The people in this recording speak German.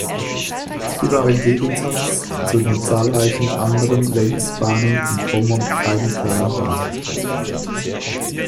Sie war im Gegensatz zu den zahlreichen anderen „Lenz-Bahnen“ in Pommern keine Kleinbahn.